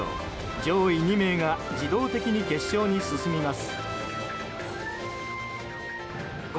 上位２名が自動的に決勝に進みます。